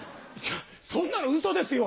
そんなのウソですよ。